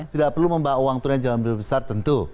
tidak perlu mbak uang tunai jalan berdua besar tentu